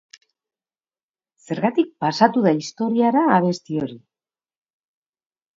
Zergatik pasatu da historiara abesti hori?